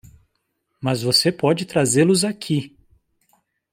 Mas você pode trazê-los aqui!